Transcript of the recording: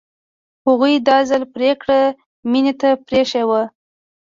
هغوی دا ځل پرېکړه مينې ته پرېښې وه